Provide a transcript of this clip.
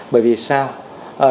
bởi vì sao